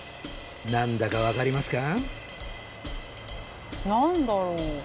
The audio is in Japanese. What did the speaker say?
何だか分かりますか？